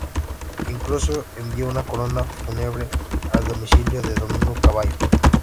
Incluso envió una corona fúnebre al domicilio de Domingo Cavallo.